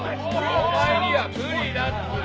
お前には無理だっつうの。